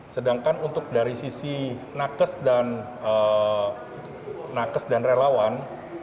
sedangkan untuk dari sisi nakes dan relawan